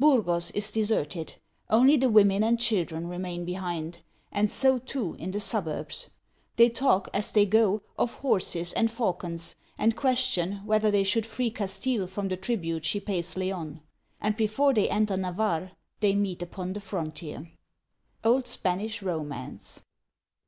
Burgos is deserted ; only the women and children remain behind ; and so too in the suburbs. They talk, as they go, of horses and falcons, and question whether they should free Castile from the tribute she pays Leon. And before they enter Navarre, they meet upon the frontier. ... Old Spanish Romance.